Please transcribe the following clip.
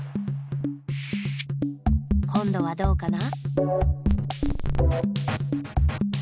こんどはどうかな？